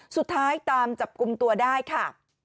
สุดท้ายตามจับกลุ่มตัวได้ค่ะ